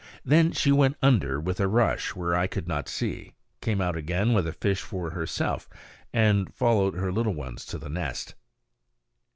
Then she went under with a rush, where I could not see, came out again with a fish for herself, and followed her little ones to the nest.